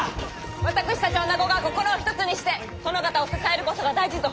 私たちおなごが心を一つにして殿方を支えるこそが大事ぞ！